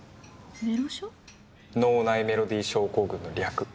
脳内メロディ症候群の略。